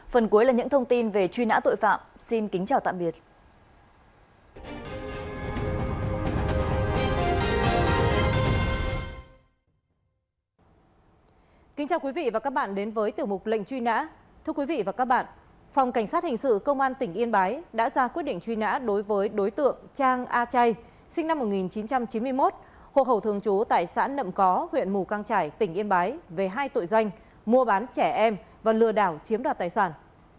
hậu thường trú tại xã nậm có huyện mù căng trải tỉnh yên bái về hai tội doanh mua bán trẻ em và lừa đảo chiếm đoạt tài sản